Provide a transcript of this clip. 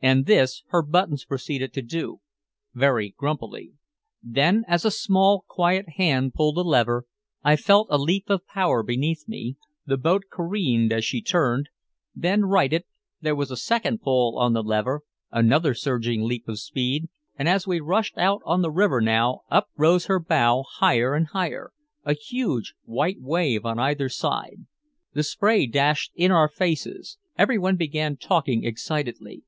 And this her Buttons proceeded to do very grumpily. Then as a small, quiet hand pulled a lever, I felt a leap of power beneath me, the boat careened as she turned, then righted, there was a second pull on the lever, another surging leap of speed, and as we rushed out on the river now up rose her bow higher and higher, a huge white wave on either side. The spray dashed in our faces. Everyone began talking excitedly.